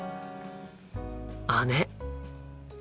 姉。